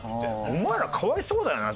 お前らかわいそうだよな